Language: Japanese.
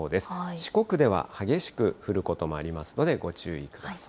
四国では激しく降ることもありますので、ご注意ください。